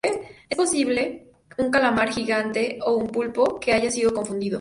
Es, posiblemente, un calamar gigante o un pulpo que haya sido confundido.